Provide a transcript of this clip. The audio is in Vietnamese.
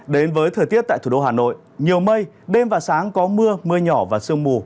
đến với thời tiết tại thủ đô hà nội nhiều mây đêm và sáng có mưa mưa nhỏ và sương mù